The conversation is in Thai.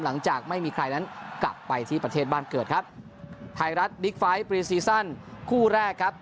หลังจากไม่มีใครนั้นกลับไปที่ประเทศบ้านเกิดครับไทยรัฐคู่แรกครับ